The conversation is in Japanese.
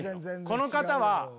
この方は。